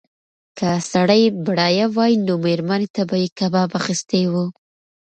که سړی بډایه وای نو مېرمنې ته به یې کباب اخیستی و.